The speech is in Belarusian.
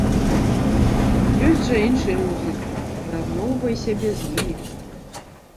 Ёсць жа іншыя музыкі, параўноўвай сябе з імі.